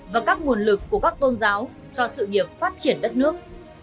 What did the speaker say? và các nguồn lực của các tôn giáo cho sự nghiệp phát triển đất nước